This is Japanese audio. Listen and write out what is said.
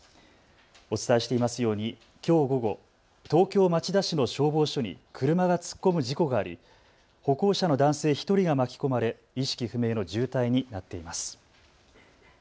お伝えしていますようにきょう午後、東京町田市の消防署に車が突っ込む事故があり歩行者の男性１人が巻き込まれ意識不明の重体になっています。